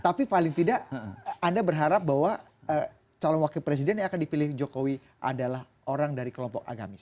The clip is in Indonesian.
tapi paling tidak anda berharap bahwa calon wakil presiden yang akan dipilih jokowi adalah orang dari kelompok agamis